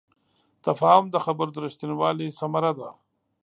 تفاهم د خبرو د رښتینوالي ثمره ده.